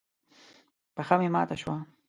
پښه مې ماته شوه.